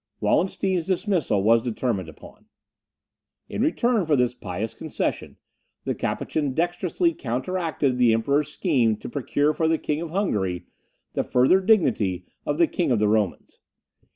Wallenstein's dismissal was determined upon. In return for this pious concession, the Capuchin dexterously counteracted the Emperor's scheme to procure for the King of Hungary the further dignity of King of the Romans.